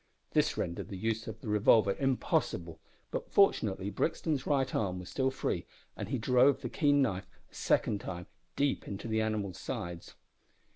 This rendered the use of the revolver impossible, but fortunately Brixton's right arm was still free, and he drove the keen knife a second time deep into the animal's sides.